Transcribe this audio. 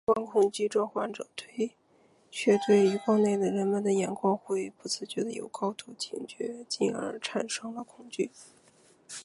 余光恐惧症患者却对余光内的人们的眼光会不自主的有高度警觉进而产生了恐惧。